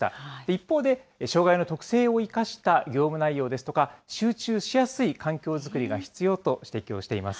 一方で、障害の特性を生かした業務内容ですとか、集中しやすい環境作りが必要と指摘をしています。